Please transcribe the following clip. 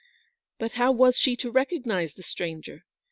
241 But how was she to recognise the stranger?